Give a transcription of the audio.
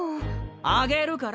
あげるから。